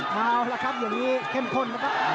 มาละครับอย่างนี้เค็มข้น